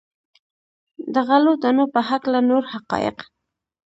د غلو دانو په هکله نور حقایق.